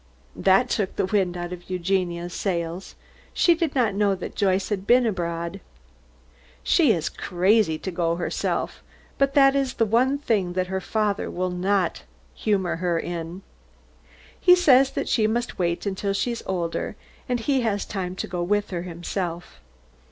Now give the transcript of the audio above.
That took the wind out of Eugenia's sails. She did not know that Joyce had been abroad. She is crazy to go herself, but that is the one thing that her father will not humour her in. He says that she must wait until she is older, and he has time to go with her himself.